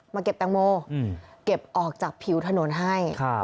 มาเก็บแตงโมอืมเก็บออกจากผิวถนนให้ครับ